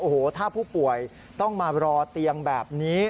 โอ้โหถ้าผู้ป่วยต้องมารอเตียงแบบนี้